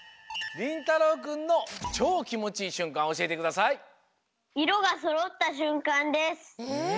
りんたろうくんのチョーきもちいいしゅんかんおしえてください！え？